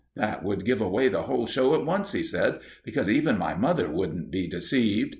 "That would give away the whole show at once," he said. "Because even my mother wouldn't be deceived.